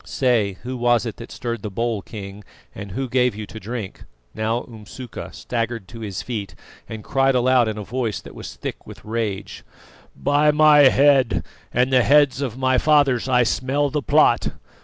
Say, who was it that stirred the bowl, King, and who gave you to drink?" Now Umsuka staggered to his feet, and cried aloud in a voice that was thick with rage: "By my head and the heads of my fathers I smell the plot!